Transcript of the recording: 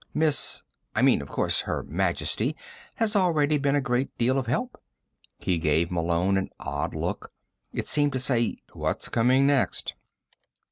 Miss ... I mean, of course, Her Majesty has ... already been a great deal of help." He gave Malone an odd look. It seemed to say: _what's coming next?